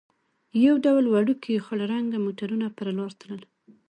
یو ډول وړوکي خړ رنګه موټرونه پر لار تلل.